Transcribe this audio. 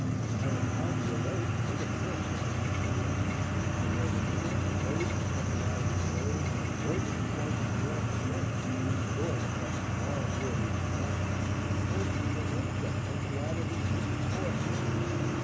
I am on the alert for the first signs of spring, to hear the chance note of some arriving bird, or the striped squirrel's chirp, for his stores must be now nearly exhausted, or see the woodchuck venture out of his winter quarters.